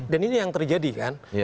dan ini yang terjadi kan